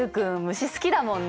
虫好きだもんね。